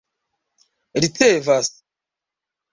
ricevas